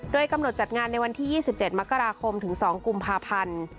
โดยกำหนดจัดงานในวันที่ยี่สิบเจ็ดมกราคมถึงสองกุมภาพันธ์